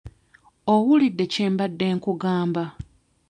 Owulidde kye mbadde nkugamba?